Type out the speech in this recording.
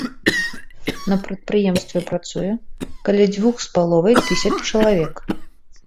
На прадпрыемстве працуе каля дзвюх з паловай тысяч чалавек.